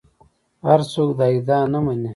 هر څوک دا ادعا نه مني